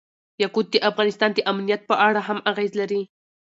یاقوت د افغانستان د امنیت په اړه هم اغېز لري.